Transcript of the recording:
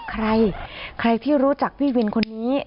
ใครใครที่รู้จักพี่วินคนนี้